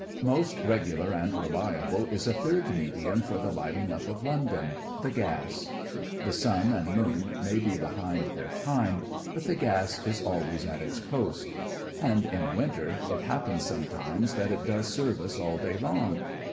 Most regular and reliable is a third medium for the lighting up of London the gas. The sun and moon may be behind their time, but the gas is always at its post. And in winter, it happens sometimes that it does service all day long.